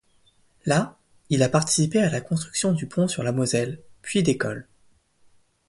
Là, il a participé à la construction du pont sur la Moselle, puis d'écoles.